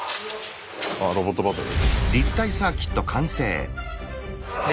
ああロボットバトル。